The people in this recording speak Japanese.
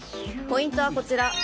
ポイントはこちら。